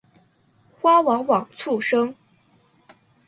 花往往簇生。